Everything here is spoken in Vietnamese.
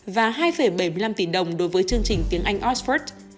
và hai bảy mươi năm tỷ đồng đối với chương trình tiếng anh oxford